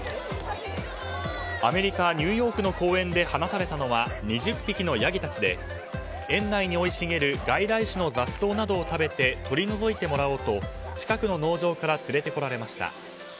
アメリカ・ニューヨークの公園で放たれたのは２０匹のヤギたちで園内に生い茂る外来種の雑草などを食べて取り除いてもらおうと近くの農場から連れてこられました。